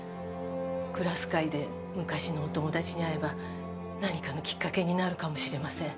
クラス会で昔のお友達に会えば何かのきっかけになるかもしれません。